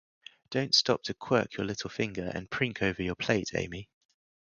Don't stop to quirk your little finger, and prink over your plate, Amy.